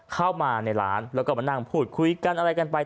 เข้ามาในร้านแล้วก็มานั่งพูดคุยกันอะไรกันไป